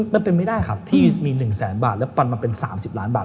มันเป็นไม่ได้ครับที่มี๑แสนบาทแล้วปันมาเป็น๓๐ล้านบาท